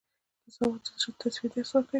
تصوف د زړه د تصفیې درس ورکوي.